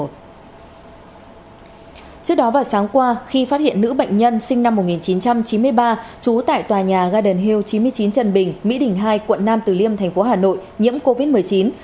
trước đó vào sáng qua khi phát hiện nữ bệnh nhân sinh năm một nghìn chín trăm chín mươi ba trú tại tòa nhà golden hil chín mươi chín trần bình mỹ đình hai quận nam từ liêm thành phố hà nội nhiễm covid một mươi chín